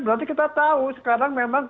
berarti kita tahu sekarang memang